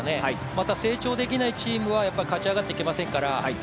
また、成長できないチームは勝ち上がっていけませんから。